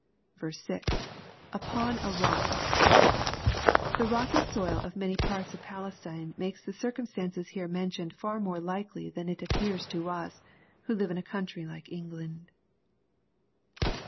6. —[ Upon a rock.] The rocky soil of many parts of Palestine makes the circumstances here mentioned far more likely than it appears to us, who live in a country like England.